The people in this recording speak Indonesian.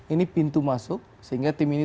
ini pintu masuk sehingga tim ini